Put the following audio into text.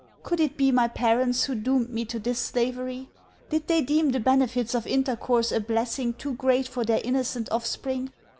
Could it be my parents who doomed me to this slavery? Did they deem the benefits of intercourse a blessing too great for their innocent offspring?